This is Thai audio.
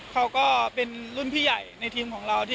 เขาก็เป็นรุ่นพี่ใหญ่ในทีมของเรา